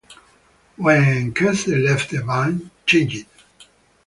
When Casey left, the band...changed.